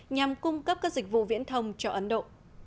nhằm cung cấp các dịch vụ viễn thông cho ấn độ